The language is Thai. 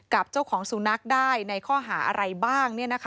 กับเจ้าของสุนัขได้ในข้อหาอะไรบ้าง